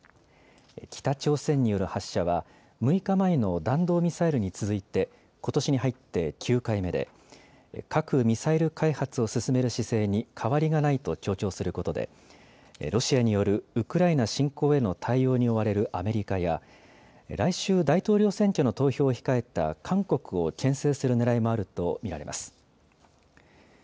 北朝鮮による発射は６日前の弾道ミサイルに続いてことしに入って９回目で核・ミサイル開発を進める姿勢に変わりがないと強調することでロシアによるウクライナ侵攻への対応に追われるアメリカや来週、大統領選挙の投票を控えた韓国をけん制するねらいもあると見られます。